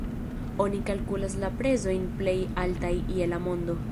Oni kalkulas la prezojn plej altaj je la mondo.